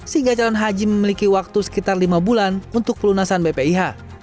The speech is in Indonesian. sehingga calon haji memiliki waktu sekitar lima bulan untuk pelunasan bpih